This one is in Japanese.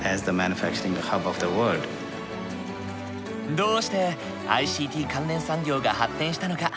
どうしてＩＣＴ関連産業が発展したのか？